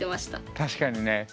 確かにね。